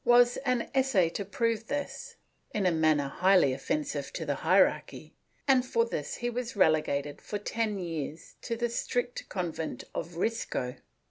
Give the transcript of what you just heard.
was an essay to prove this, in a manner highly offensive to the hierarchy, and for this he was relegated for ten years to the strict convent of Risco.